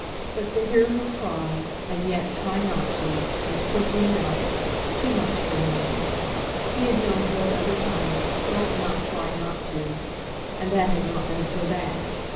But to hear her cry, and yet try not to, was, quickly enough, too much for him; he had known her at other times quite not try not to, and that had not been so bad.